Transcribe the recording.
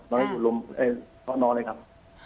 ตอนนี้อยู่น้องเลยครับ